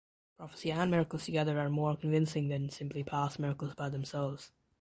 Prophecy and miracles together are more convincing than simply past miracles by themselves.